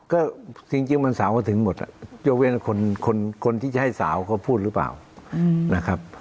ก็จริงวันเสาร์ก็ถึงหมดยกเว้นคนที่จะให้สาวเขาพูดหรือเปล่านะครับ